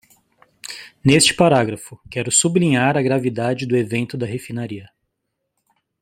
Neste parágrafo, quero sublinhar a gravidade do evento da refinaria.